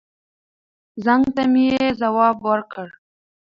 زنګ ته مې يې ځواب ور کړ.